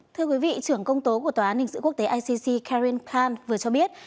thưa quý vị trưởng công tố của tòa án hình sự quốc tế icc karim khan vừa cho biết